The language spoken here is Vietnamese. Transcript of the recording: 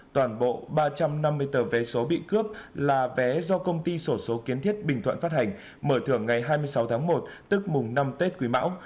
toàn bộ ba trăm năm mươi tờ vé số bị cướp là vé do công ty sổ số kiến thiết bình thuận phát hành mở thưởng ngày hai mươi sáu tháng một tức mùng năm tết quý mão